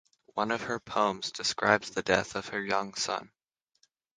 One of her poems describes the death of her young son.